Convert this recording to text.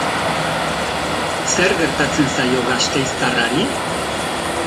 Zer gertatzen zaio gasteiztarrari?